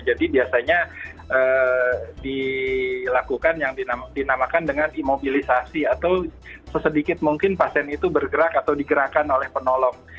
jadi biasanya dilakukan yang dinamakan dengan imobilisasi atau sesedikit mungkin pasien itu bergerak atau digerakkan oleh penolong